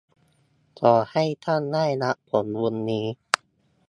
ขอให้ท่านได้รับผลบุญนี้